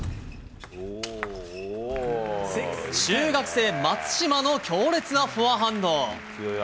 中学生、松島の強烈なフォアハンド。